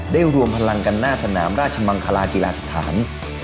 รวมพลังกันหน้าสนามราชมังคลากีฬาสถาน